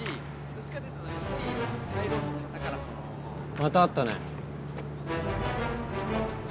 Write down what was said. また会ったね。